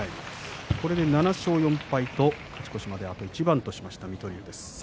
これで７勝４敗と勝ち越しまであと一番とした水戸龍です。